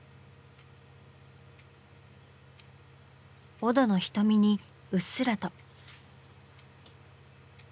オドの瞳にうっすらと。